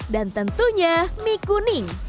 dan tentunya mie kuning